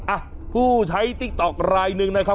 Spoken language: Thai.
อ่ะผู้ใช้ติ๊กต๊อกรายหนึ่งนะครับ